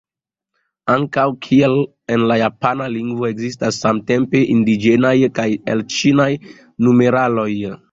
Ankaŭ kiel en la japana lingvo, ekzistas samtempe indiĝenaj kaj elĉinaj numeraloj.